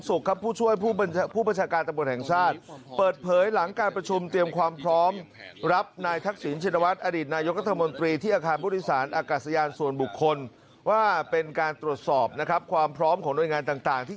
ท่ำรวจและก็หน่วยรักษาความปลอดภัยของการท่ากาศยา